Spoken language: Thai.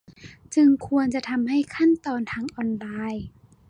จึงควรจะทำให้ขั้นตอนทางออนไลน์